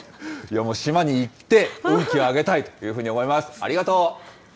島に行って、運気を上げたいというふうに思います。